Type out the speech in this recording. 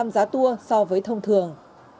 bảy mươi tám mươi giá tour so với thông thường